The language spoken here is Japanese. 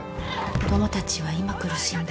子供たちは今苦しんでいる。